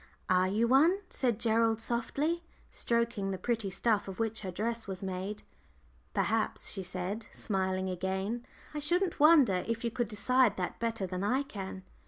"Are you one?" said Gerald, softly stroking the pretty soft stuff of which her dress was made. "Perhaps," she said, smiling again. "I shouldn't wonder if you could decide that better than I can.